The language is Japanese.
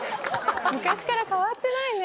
昔から変わってないね。